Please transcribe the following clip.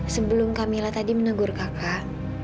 sebelum camilla tadi menegur kakak